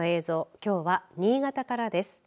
きょうは新潟からです。